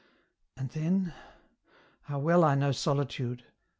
. and then ... how well I know solitude.